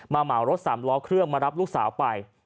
เหมารถสามล้อเครื่องมารับลูกสาวไป